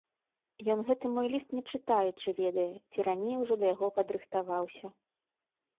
Ён гэты мой ліст не чытаючы ведае, ці раней ужо да яго падрыхтаваўся.